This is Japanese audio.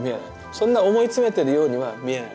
そんな思い詰めてるようには見えない